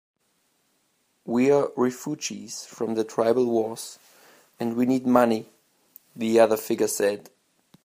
"We're refugees from the tribal wars, and we need money," the other figure said.